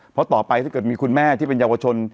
เพราะต่อไปถ้าเกิดมีคุณแม่ที่เป็นเยาวชน